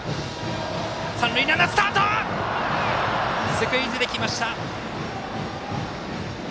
スクイズできました。